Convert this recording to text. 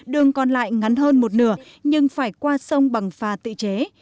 đường còn lại ngắn hơn một nửa nhưng phải qua sông bằng phà tự chế